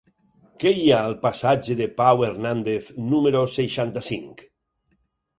Què hi ha al passatge de Pau Hernández número seixanta-cinc?